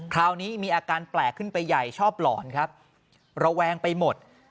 คราวนี้มีอาการแปลกขึ้นไปใหญ่ชอบหลอนครับระแวงไปหมด